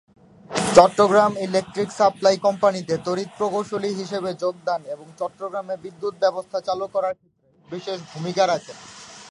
Chittagong electric supply কোম্পানিতে তড়িৎ প্রকৌশলী হিসেবে যোগদান এবং চট্টগ্রামে বিদ্যুৎ ব্যবস্থা চালু করার ক্ষেত্রে বিশেষ ভূমিকা রাখেন।